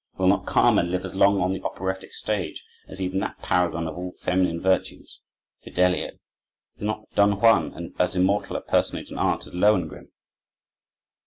Will not "Carmen" live as long on the operatic stage as even that paragon of all feminine virtues, "Fidelio"? Is not Don Juan as immortal a personage in art as Lohengrin?